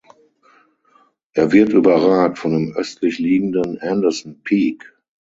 Er wird überragt von dem östlich liegenden Anderson Peak.